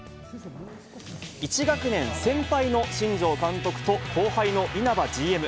１学年先輩の新庄監督と、後輩の稲葉ＧＭ。